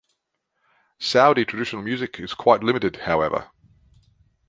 Saudi traditional music is quite limited, however.